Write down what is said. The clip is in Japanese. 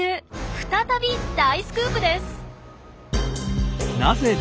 再び大スクープです！